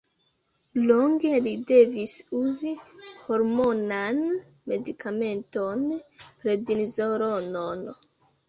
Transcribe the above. Longe li devis uzi hormonan medikamenton: prednizolonon.